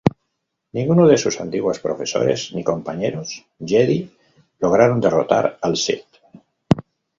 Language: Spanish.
Ninguno de sus antiguos profesores ni compañeros Jedi lograron derrotar al Sith.